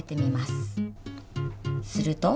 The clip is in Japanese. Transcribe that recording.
すると。